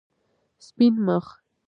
سپین مخ